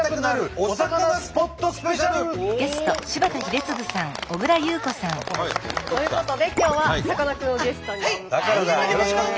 お魚。ということで今日はさかなクンをゲストにお迎えして。